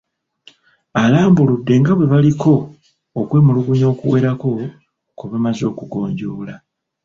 Alambuludde nga bwe baliko okwemulugunya okuwerako kwe baamaze okugonjoola.